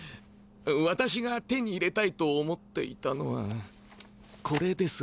わたしが手に入れたいと思っていたのはこれです。